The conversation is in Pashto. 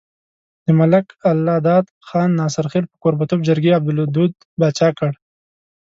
د ملک الله داد خان ناصرخېل په کوربه توب جرګې عبدالودو باچا کړو۔